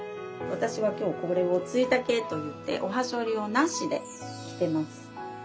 私は今日これを対丈といっておはしょりをなしで着てます。